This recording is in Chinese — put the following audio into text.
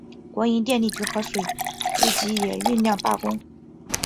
国营电力局和水务局也酝酿罢工。